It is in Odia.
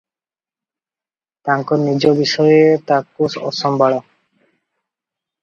ତାଙ୍କ ନିଜ ବିଷୟ ତାଙ୍କୁ ଅସମ୍ଭାଳ ।